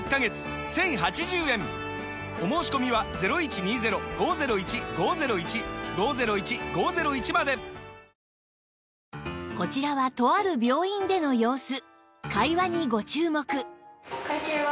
１，０８０ 円お申込みはこちらはとある病院での様子